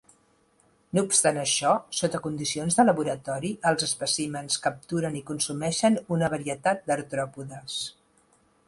No obstant això, sota condicions de laboratori, els espècimens capturen i consumeixen una varietat d'artròpodes.